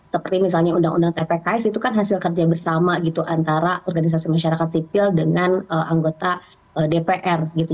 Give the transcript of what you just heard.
seperti misalnya undang undang tpks itu kan hasil kerja bersama gitu antara organisasi masyarakat sipil dengan anggota dpr gitu